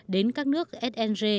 đến các nước sng